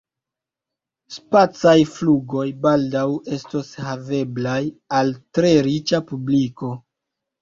Spacaj flugoj baldaŭ estos haveblaj al tre riĉa publiko.